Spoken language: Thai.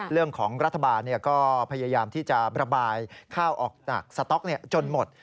เรื่องของรัฐบาลก็พยายามที่จะระบายข้าวออกจากสต๊อกจนหมด